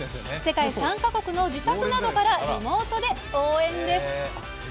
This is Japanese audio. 世界３か国の自宅などからリモートで応援です。